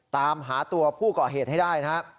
ตามหาตัวผู้ก่อเหตุให้ได้นะครับ